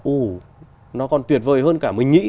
ồ nó còn tuyệt vời hơn cả mình nghĩ